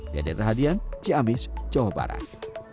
deden rahadian ciamis jawa barat